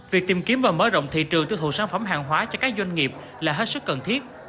việc tìm kiếm và mở rộng thị trường tiêu thụ sản phẩm hàng hóa cho các doanh nghiệp là hết sức cần thiết